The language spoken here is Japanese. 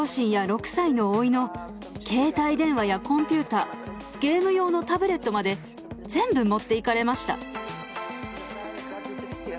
携帯電話やコンピューターゲーム用のタブレットまで全部持って行かれました。